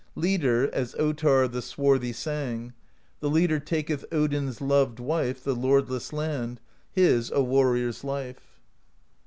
Leader, as Ottarr the Swarthy sang: The Leader taketh Odin's loved Wife, The lordless land; His a warrior's life.